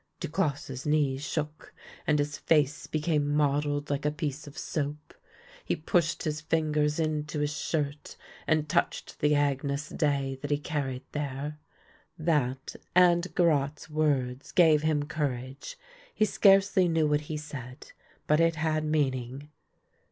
Duclosse's knees shook, and his face became mottled like a piece of soap ; he pushed his fingers into his shirt and touched the Agnus Dei that he carried there. That and Garotte's words gave him courage. He scarcely knew what he said, but it had meaning.